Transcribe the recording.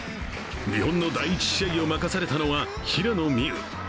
日本の第１試合を任されたのは、平野美宇。